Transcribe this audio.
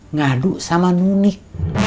ngadu sama nunik